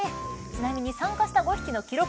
ちなみに参加した５匹の記録